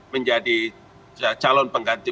menjadi calon pengganti